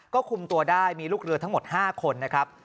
ก็คุมตัวได้มีลูกเรือทั้งหมด๕คนนะครับ